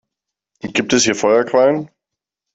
Gibt es hier Feuerquallen?